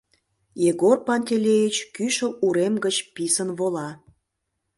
Егор Пантелеич кӱшыл урем гыч писын вола.